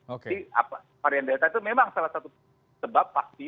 jadi varian delta itu memang salah satu sebab pasti